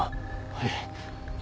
はい。